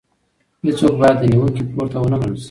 هيڅوک بايد له نيوکې پورته ونه ګڼل شي.